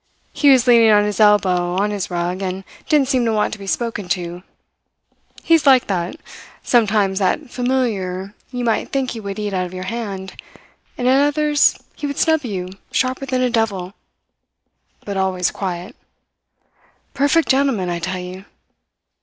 He was leaning on his elbow on his rug, and didn't seem to want to be spoken to. He's like that sometimes that familiar you might think he would eat out of your hand, and at others he would snub you sharper than a devil but always quiet. Perfect gentleman, I tell you.